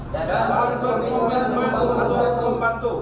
dan berkomitmen untuk membantu